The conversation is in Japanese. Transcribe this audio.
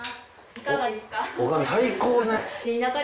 いかがですか？